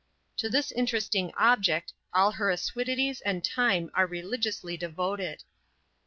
To this interesting object all her assiduities and time are religiously devoted.